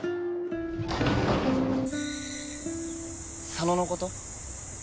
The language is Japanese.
佐野のこと？